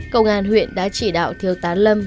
công an huyện đã chỉ đạo thiếu tá lâm